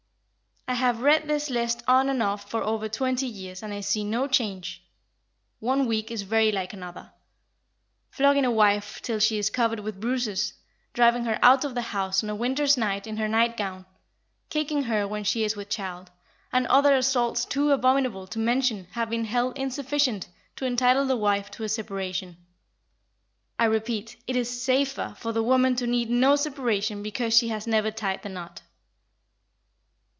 I have read this list on and off for over twenty years and I see no change. One week is very like another. Flogging a wife till she is covered with bruises, driving her out of the house on a winter's night in her nightgown, kicking her when she is with child, and other assaults too abominable to mention have been held insufficient to entitle the wife to a separation. I repeat, it is safer for the woman to need no separation because she has never tied the knot.